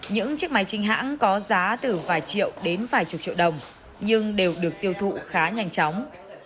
những chiếc máy chính hãng có giá từ vài triệu đến vài chục triệu đồng nhưng đều được tiêu thụ khá nhanh chóng